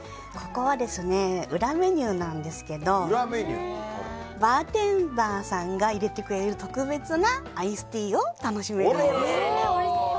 ここは裏メニューなんですけどバーテンダーさんがいれてくれる特別なアイスティーを楽しめるんです。